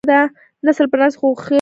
نسل په نسل غوښین او ارام شول.